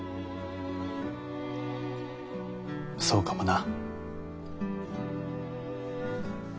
そうかもな。